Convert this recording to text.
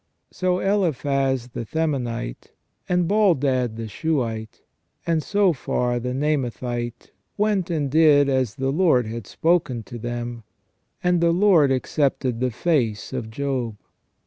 So Eliphaz, the Themanite, and Baldad, the Suhite, and Sophar, the Naamathite, went and did as the Lord had spoken to them : and the Lord accepted the face of Job.